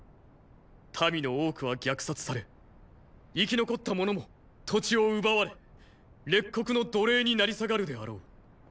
民の多くは虐殺され生き残った者も土地を奪われ列国の奴隷になり下がるであろう。